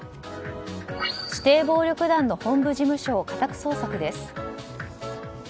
指定暴力団の本部事務所を家宅捜索です。